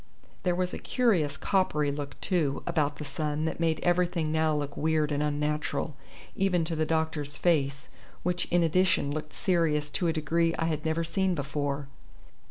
There was a curious coppery look, too, about the sun that made everything now look weird and unnatural, even to the doctor's face, which in addition looked serious to a degree I had never seen before.